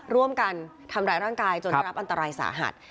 ร่วมกันทำร้ายร่างกายจนได้รับอันตรายสาหัส